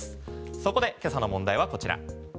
そこで今朝の問題はこちら。